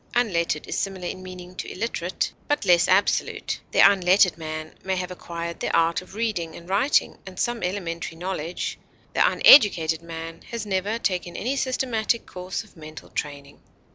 Unlettered is similar in meaning to illiterate, but less absolute; the unlettered man may have acquired the art of reading and writing and some elementary knowledge; the uneducated man has never taken any systematic course of mental training.